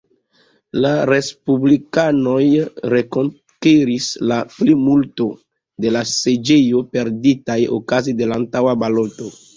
La respublikanoj rekonkeris la plimulto, de la seĝoj perditaj okaze de la antaŭa baloto.